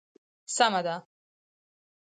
سمه ده.